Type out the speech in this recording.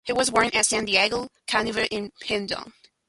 He was born at San Giorgio Canavese in Piedmont.